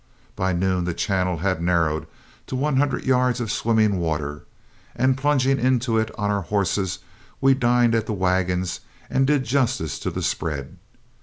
By noon the channel had narrowed to one hundred yards of swimming water, and plunging into it on our horses, we dined at the wagons and did justice to the spread.